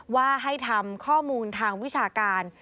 ว่าให้ทำข้อมูลทางวิชาการ